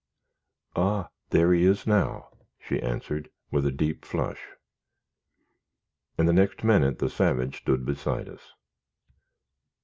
"Ah! there he is now," she answered, with a deep flush; and the next minute the savage stood beside us.